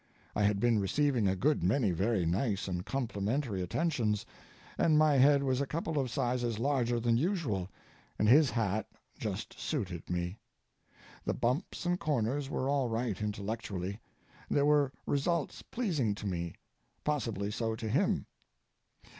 I had been receiving a good many very nice and complimentary attentions, and my head was a couple of sizes larger than usual, and his hat just suited me. The bumps and corners were all right intellectually. There were results pleasing to me—possibly so to him.